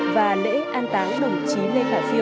và lễ an táng đồng chí lê khả phiêu